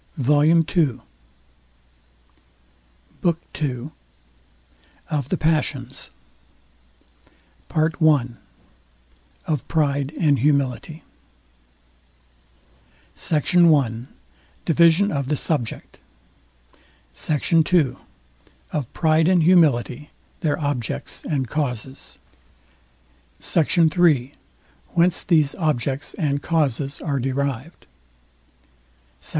VOLUME II BOOK II OF THE PASSIONS PART I OF PRIDE AND HUMILITY SECT. I DIVISION OF THE SUBJECT SECT. II OF PRIDE AND HUMILITY, THEIR OBJECTS AND CAUSES SECT. III WHENCE THESE OBJECTS AND CAUSES ARE DERIVED SECT.